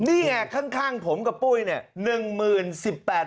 นี่ไงข้างผมกับปุ้ยเนี่ย